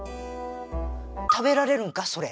食べられるんかそれ？